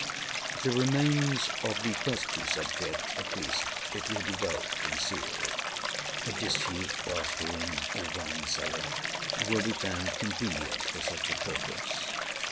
The remains of the first two subjects, at least, it will be well to conceal: a disused bathroom or wine cellar will be found convenient for such a purpose.